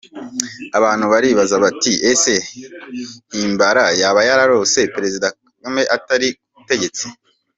Abantu baribaza bati ese Himbara yaba yarose perezida Kagame atakiri ku butegetsi?